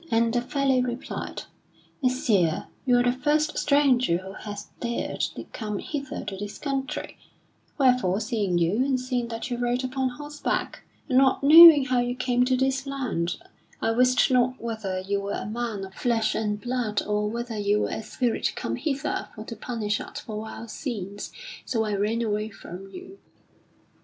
And the fellow replied: "Messire, you are the first stranger who hath dared to come hither to this country; wherefore, seeing you, and seeing that you rode upon horseback, and not knowing how you came to this land, I wist not whether you were a man of flesh and blood, or whether you were a spirit come hither for to punish us for our sins; so I ran away from you."